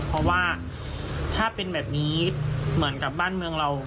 เพราะว่าถ้าเป็นแบบนี้เหมือนกับบ้านเมืองเรา